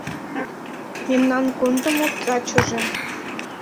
Мемнан кондымо качыже